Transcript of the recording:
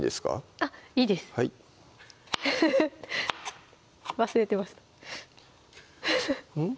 あっいいです忘れてましたうん？